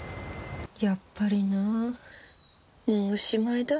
やっぱりなもうおしまいだ。